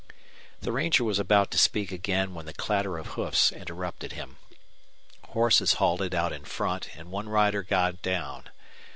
The ranger was about to speak again when the clatter of hoofs interrupted him. Horses halted out in front, and one rider got down.